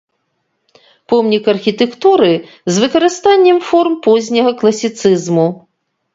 Помнік архітэктуры з выкарыстаннем форм позняга класіцызму.